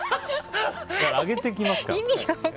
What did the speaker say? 上げていきますから。